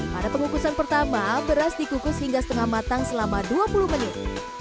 pada pengukusan pertama beras dikukus hingga setengah matang selama dua puluh menit